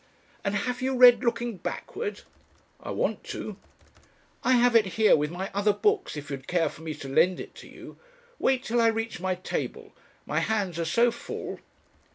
"And have you read 'Looking Backward'?" "I want to." "I have it here with my other books, if you'd care for me to lend it to you. Wait till I reach my table. My hands are so full."